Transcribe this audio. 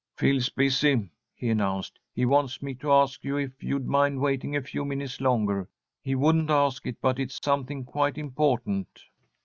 "Phil's busy," he announced. "He wants me to ask you if you'd mind waiting a few minutes longer. He wouldn't ask it, but it's something quite important."